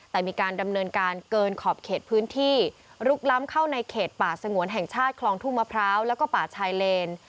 แต่มีการดำเนินการเกินขอบเขตพื้นที่ลุกล้ำเข้าในเขตป่าสงวนแห่งชาติคลองทุ่งมะพร้าวแล้วก็ป่าชายเลน